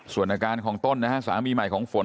ส่วนอาการของต้นนะฮะสามีใหม่ของฝน